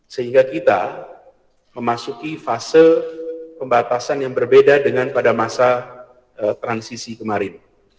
sehingga kita memasuki fase pembatasan yang berbeda dengan pada masa transisi kemarin